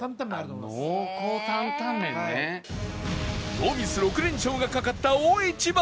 ノーミス６連勝がかかった大一番